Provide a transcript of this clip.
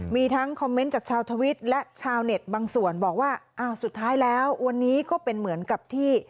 มีทั้งคอมเมนต์จากชาวทวิตและชาวเน็ตบางส่วนบอกว่าอ้าวสุดท้ายแล้ววันนี้ก็เป็นเหมือนกับที่